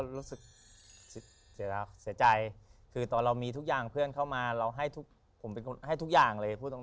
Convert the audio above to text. รู้สึกเสียใจตอนเรามีทุกอย่างเพื่อนเข้ามาผมทุกอย่างเลยพูดตรง